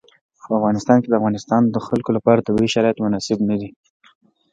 په افغانستان کې د د افغانستان جلکو لپاره طبیعي شرایط مناسب دي.